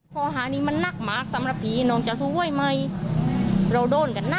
เป็นแพะค่ะ